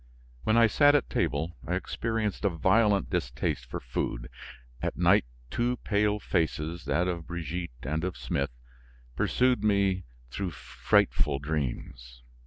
When I sat at table, I experienced a violent distaste for food; at night two pale faces, that of Brigitte and of Smith, pursued me through frightful dreams.